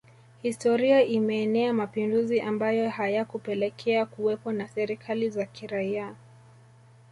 Historia imeenea mapinduzi ambayo hayakupelekea kuwepo na serikali za kiraia